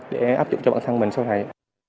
để áp dụng cho bản thân mình sau này